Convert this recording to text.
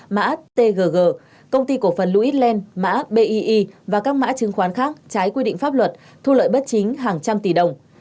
mã tgg công ty cổ phần lewis land mã bii và các mã chứng khoán khác trái quy định pháp luật thu lợi bất chính hàng trăm tỷ đồng